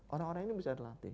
orang orang ini bisa dilatih